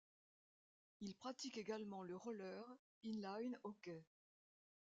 Il pratique également le roller in line hockey.